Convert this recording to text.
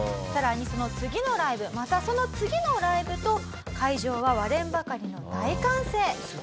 更にその次のライブまたその次のライブと会場は割れんばかりの大歓声。